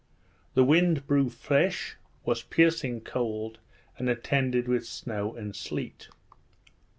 The wind blew fresh, was piercing cold, and attended with snow and sleet.